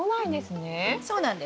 そうなんです。